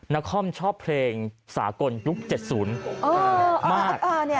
นาคอมชอบเพลงสากลยุคเจ็ดศูนย์